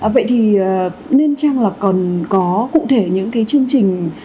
vậy thì nên chăng là còn có cụ thể những chương trình